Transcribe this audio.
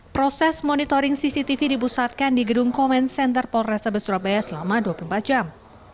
proses monitoring cctv dipusatkan di gedung comment center polrestabes surabaya selama dua puluh empat jam